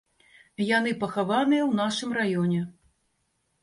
Яны пахаваныя ў нашым раёне.